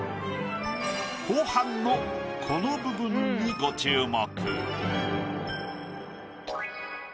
後半のこの部分にご注目。